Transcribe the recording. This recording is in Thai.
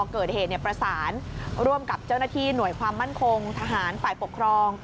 เกิดเหตุประสานร่วมกับเจ้าหน้าที่หน่วยความมั่นคงทหารฝ่ายปกครอง